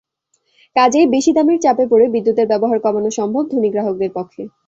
কাজেই বেশি দামের চাপে পড়ে বিদ্যুতের ব্যবহার কমানো সম্ভব ধনী গ্রাহকদের পক্ষে।